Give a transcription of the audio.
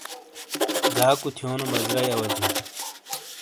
جاکو تھیونو بزرئی اواجئی ۔